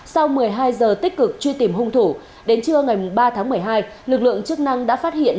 sau một mươi hai giờ tích cực truy tìm hung thủ đến trưa ngày ba tháng một mươi hai lực lượng chức năng đã phát hiện